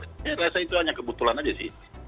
saya rasa itu hanya kebetulan aja sih